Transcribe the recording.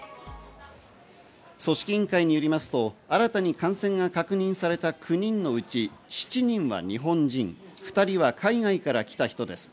組織委員会によりますと、新たに感染が確認された９人のうち、７人は日本人、２人は海外から来た人です。